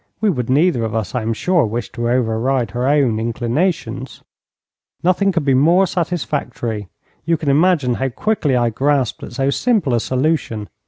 We would neither of us, I am sure, wish to override her own inclinations.' Nothing could be more satisfactory. You can imagine how quickly I grasped at so simple a solution.